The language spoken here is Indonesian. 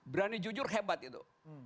berani jujur hebat itu